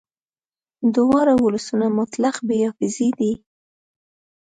دواړه ولسونه مطلق بې حافظې دي